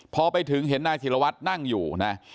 พอไปถึงเห็นนายธิรวัตรนั่งอยู่นะ